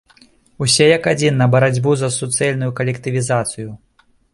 Усе як адзін на барацьбу за суцэльную калектывізацыю!